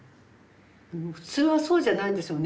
普通はそうじゃないんですよね。